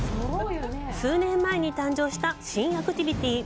数年前に誕生した新アクティビティ。